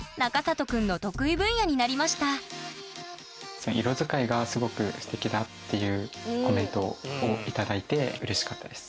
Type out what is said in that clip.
以来「色づかいがすごくステキだ」っていうコメントを頂いてうれしかったです。